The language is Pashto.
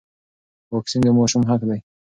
واکسین د ماشوم حق دی.